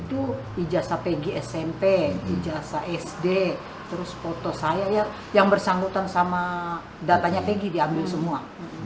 itu ijazah pegg smp ijazah sd terus foto saya ya yang bersangkutan sama datanya peggy diambil semua